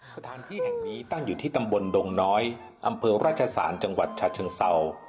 สถานที่แห่งนี้ตั้งอยู่ที่ตำบลดงน้อยอำเภอราชสารจังหวัดฉะเชิงเศร้า